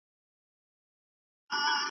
¬ چي تېغ چلېږي، وينه بهېږي.